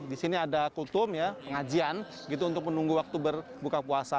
di sini ada kutum ya pengajian gitu untuk menunggu waktu berbuka puasa